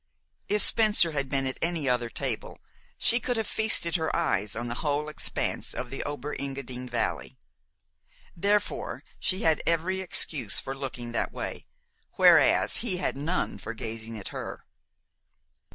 If Spencer had been at any other table, she could have feasted her eyes on the whole expanse of the Ober Engadin Valley. Therefore she had every excuse for looking that way, whereas he had none for gazing at her.